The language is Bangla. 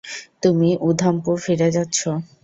তুমি উধামপুর ফিরে যাচ্ছ।